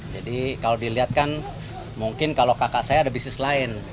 jadi kalau dilihat kan mungkin kalau kakak saya ada bisnis lain